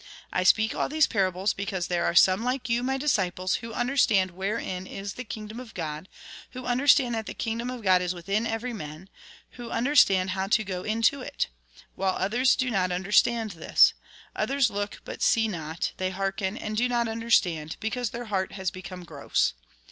I speak all these parables because there are some like you, my disciples, who understand wherein is the kingdom of God, who understand that the kingdom of God is witliin every man, who understand how to go into it ; while others do not understand this. Others look, but see not ; they hearken, and do not understand, because their heart has become gross.